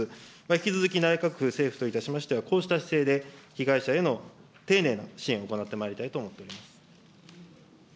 引き続き内閣府、政府といたしましては、こうした姿勢で被害者への丁寧な支援を行ってまいりたいと思っております。